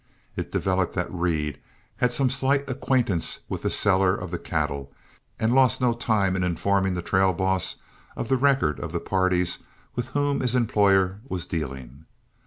It developed that Reed had some slight acquaintance with the seller of the cattle, and lost no time in informing the trail boss of the record of the parties with whom his employer was dealing.